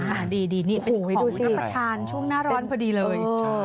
ใช่ค่ะดีนี่เป็นของผู้นักประชานช่วงหน้าร้อนพอดีเลย